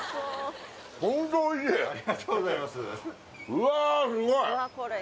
うわすごい！